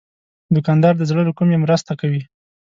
دوکاندار د زړه له کومي مرسته کوي.